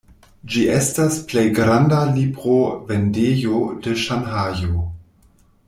Ĝi estas plej granda librovendejo de Ŝanhajo.